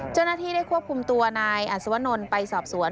จนที่ได้ควบคุมตัวนายอัศวนศ์ไปสอบสวน